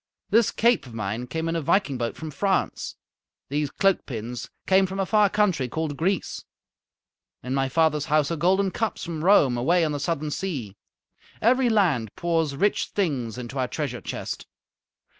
This cape of mine came in a viking boat from France. These cloak pins came from a far country called Greece. In my father's house are golden cups from Rome, away on the southern sea. Every land pours rich things into our treasure chest.